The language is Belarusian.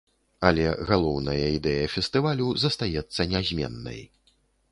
Але галоўная ідэя фестывалю застаецца нязменнай.